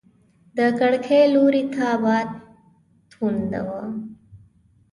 د کړکۍ لوري ته باد تونده و.